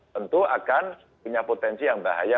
tentu akan punya potensi yang bahaya